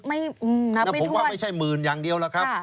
นับเป็นทวดแต่ผมว่าไม่ใช่หมื่นอย่างเดียวละครับ